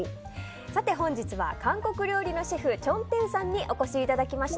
本日は韓国料理のシェフチョン・テウさんにお越しいただきました。